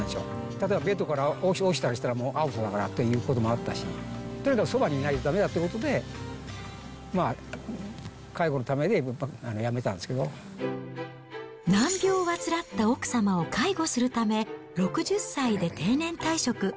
例えばベッドから落ちたりしたらアウトだからということもあったし、とにかくそばにいないとだめだっていうことで、難病を患った奥様を介護するため、６０歳で定年退職。